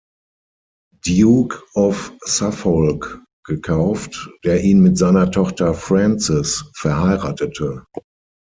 Duke of Suffolk gekauft, der ihn mit seiner Tochter Frances verheiratete.